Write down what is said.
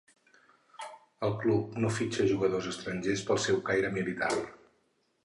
El club no fitxa jugadors estrangers pel seu caire militar.